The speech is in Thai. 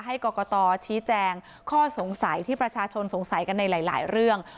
กรกตชี้แจงข้อสงสัยที่ประชาชนสงสัยกันในหลายเรื่อง